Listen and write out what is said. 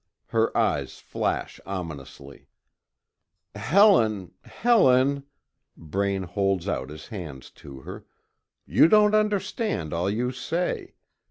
Her eyes flash ominously. "Helen Helen " Braine holds out his hands to her, "you don't understand all you say.